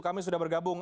kami sudah bergabung